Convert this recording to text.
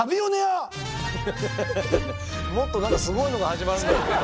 もっと何かすごいのが始まるんだと。